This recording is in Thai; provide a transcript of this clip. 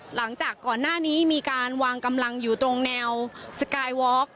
หลังจากก่อนหน้านี้มีการวางกำลังอยู่ตรงแนวสกายวอล์ก